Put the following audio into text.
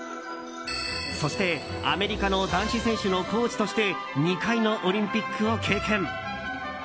そしてアメリカの男子選手のコーチとして２回のオリンピックを経験。